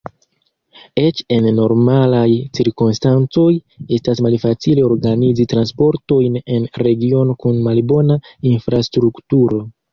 Eĉ en normalaj cirkonstancoj estas malfacile organizi transportojn en regiono kun malbona infrastrukturo.